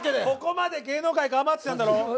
ここまで芸能界頑張ってきたんだろ。